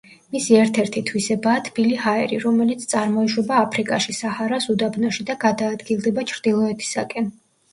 მისი ერთ-ერთი თვისებაა თბილი ჰაერი, რომელიც წარმოიშვება აფრიკაში, საჰარას უდაბნოში და გადაადგილდება ჩრდილოეთისაკენ.